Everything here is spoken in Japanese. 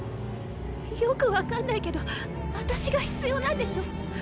よく分かんないけど私が必要なんでしょ？